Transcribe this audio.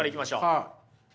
はい。